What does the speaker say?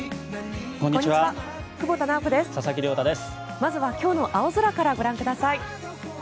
まずは今日の青空からご覧ください。